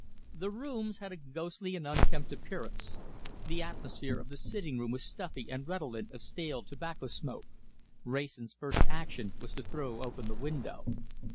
The rooms had a ghostly and unkempt appearance. The atmosphere of the sitting room was stuffy and redolent of stale tobacco smoke. Wrayson's first action was to throw open the window.